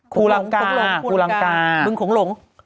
คู่รังกา